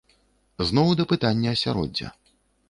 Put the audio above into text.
Зноў да пытання асяроддзя.